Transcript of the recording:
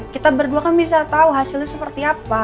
kita berdua kan bisa tahu hasilnya seperti apa